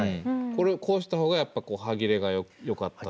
これをこうした方がやっぱ歯切れがよかった？